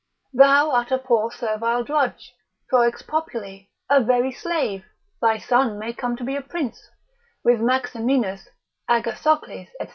Thou art a poor servile drudge, Foex populi, a very slave, thy son may come to be a prince, with Maximinus, Agathocles, &c.